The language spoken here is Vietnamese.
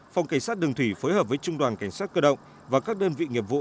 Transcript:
phòng cảnh sát đường thủy phối hợp với trung đoàn cảnh sát cơ động và các đơn vị nghiệp vụ